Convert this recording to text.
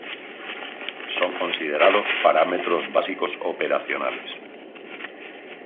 Son considerados parámetros básicos operacionales.